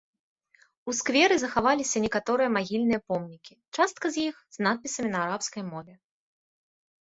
У скверы захаваліся некаторыя магільныя помнікі, частка з іх з надпісамі на арабскай мове.